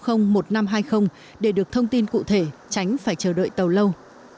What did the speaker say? công ty cũng đài hỗ trợ một chín không không một năm hai không để được thông tin cụ thể tránh phải chờ đợi tàu lâu